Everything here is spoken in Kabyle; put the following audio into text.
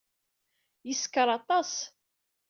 Yeskeṛ aṭas.